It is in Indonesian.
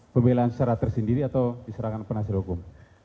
pembelan secara tersendiri atau diserahkan penasir hukum